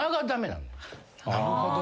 なるほど。